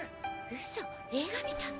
ウソ映画みたい。